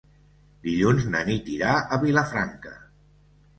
Dilluns na Nit irà a Vilafranca.